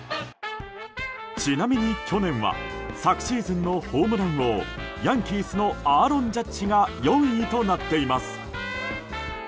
ちなみに去年は昨シーズンのホームラン王ヤンキースのアーロン・ジャッジが４位となっています。